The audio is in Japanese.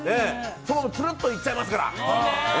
つるっといっちゃいますから。